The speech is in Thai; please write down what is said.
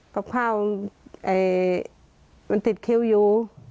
กระพาวมันติดคิวอยู่